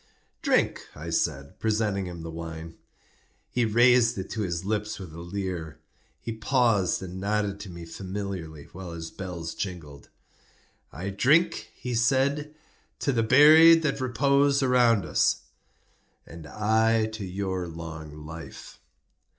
"Drink," I said, presenting him the wine. He raised it to his lips with a leer. He paused and nodded to me familiarly, while his bells jingled. "I drink," he said, "to the buried that repose around us." "And I to your long life."